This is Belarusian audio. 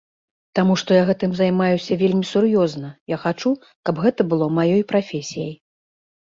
Таму што я гэтым займаюся вельмі сур'ёзна, я хачу, каб гэта было маёй прафесіяй.